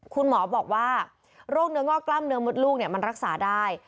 คุณหมอบอกว่าโรคเนื้องอกกล้ามเนื้อมดลูกมันรักษาได้